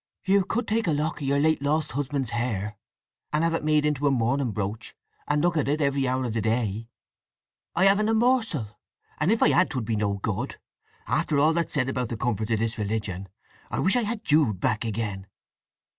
"You could take a lock of your late lost husband's hair, and have it made into a mourning brooch, and look at it every hour of the day." "I haven't a morsel!—and if I had 'twould be no good… After all that's said about the comforts of this religion, I wish I had Jude back again!"